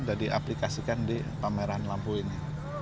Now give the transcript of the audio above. dan diaplikasikan di pameran lampu ini